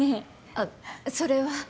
あっそれは。